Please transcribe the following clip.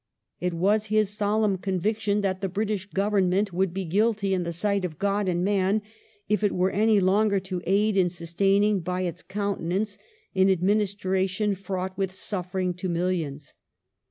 It was his solemn conviction that " the British Grovemment would be guilty in the sight of God and man if it were any longer to aid in sus taining by its countenance an administration fraught with suffering to millions